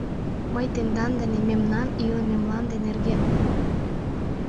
«Мый тендан дене мемнан илыме мланде нерген...»